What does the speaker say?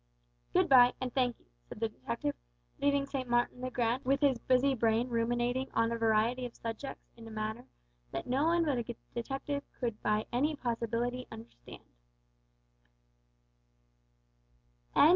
"Good bye, and thank you," said the detective, leaving St. Martin's le Grand with his busy brain ruminating on a variety of subjects in a manner that no one but a detective could by any possibility understand.